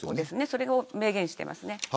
それを明言しています。